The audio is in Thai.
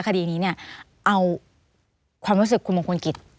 คดีนี้เนี่ยเอาความรู้สึกคุณมงคลกิจ